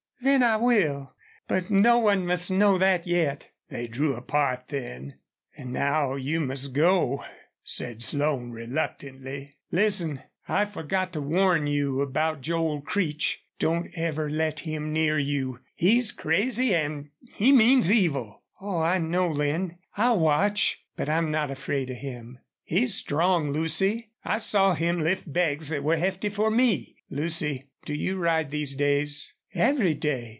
"Then I will. But no one must know that yet." They drew apart then. "An' now you must go," said Slone, reluctantly. "Listen. I forgot to warn you about Joel Creech. Don't ever let him near you. He's crazy an' he means evil." "Oh, I know, Lin! I'll watch. But I'm not afraid of him." "He's strong, Lucy. I saw him lift bags that were hefty for me.... Lucy, do you ride these days?" "Every day.